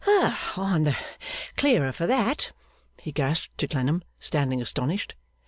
'I am the clearer for that,' he gasped to Clennam standing astonished.